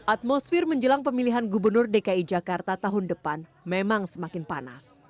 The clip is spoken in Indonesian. atmosfer menjelang pemilihan gubernur dki jakarta tahun depan memang semakin panas